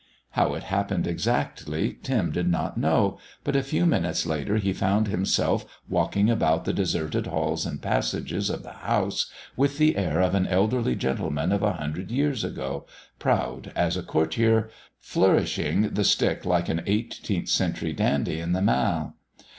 How it happened exactly, Tim did not know, but a few minutes later he found himself walking about the deserted halls and passages of the house with the air of an elderly gentleman of a hundred years ago, proud as a courtier, flourishing the stick like an Eighteenth Century dandy in the Mall.